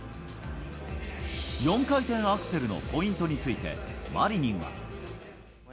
４回転アクセルのポイントについて、マリニンは。